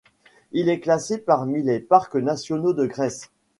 Il est classé parmi les parcs nationaux de Grèce.